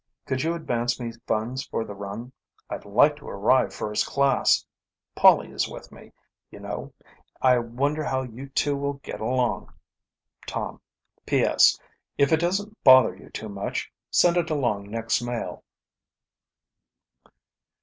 Could you advance me funds for the run? I'd like to arrive first class. Polly is with me, you know. I wonder how you two will get along. "Tom. "P.S. If it doesn't bother you too much, send it along next mail."